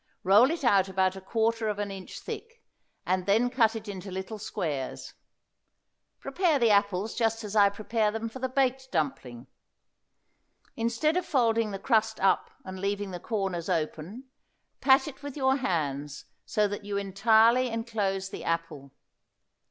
Roll it out about a quarter of an inch thick, and then cut it in little squares; prepare the apples just as I prepare them for the baked dumpling; instead of folding the crust up and leaving the corners open, pat it with your hands so that you entirely inclose the apple.